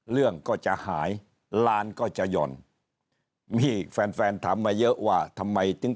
เรื่องก็จะหายลานก็จะหย่อนมีแฟนแฟนถามมาเยอะว่าทำไมถึง